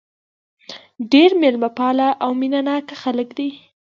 ډېر مېلمه پاله او مینه ناک خلک دي.